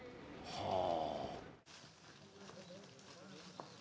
はあ！